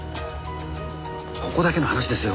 ここだけの話ですよ。